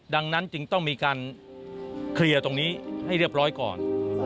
ดังนั้นจึงต้องมีการเคลียร์ตรงนี้ให้เรียบร้อยก่อน